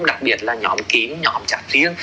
đặc biệt là nhóm kiếm nhóm trả tiền